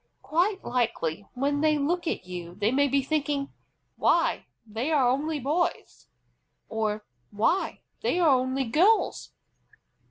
Quite likely when they look at you they may be thinking, "Why, they are only boys!" or "Why, they are only girls!"